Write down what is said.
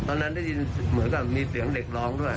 ตอนนั้นได้ยินเหมือนกับมีเสียงเด็กร้องด้วย